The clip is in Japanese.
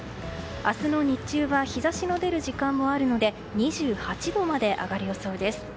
明日の日中は日差しの出る時間もあるので２８度まで上がる予想です。